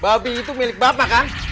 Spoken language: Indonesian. babi itu milik bapak kan